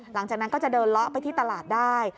หลังจากนั้นก็จะเดินเลาะไปที่ตลาดได้